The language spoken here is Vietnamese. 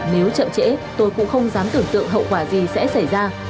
nếu chậm trễ tôi cũng không dám tưởng tượng hậu quả gì sẽ xảy ra